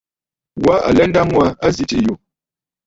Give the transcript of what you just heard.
Wa alɛ nda ŋû aa a zi tsiʼì yù.